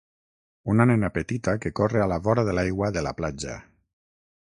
Una nena petita que corre a la vora de l'aigua de la platja.